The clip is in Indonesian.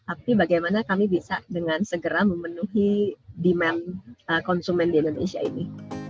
tapi bagaimana kami bisa dengan segera memenuhi demand konsumen di indonesia ini